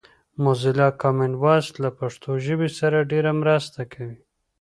موزیلا کامن وایس له پښتو ژبې سره ډېره مرسته کوي